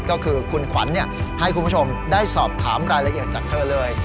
ก็คือคุณขวัญให้คุณผู้ชมได้สอบถามรายละเอียดจากเธอเลย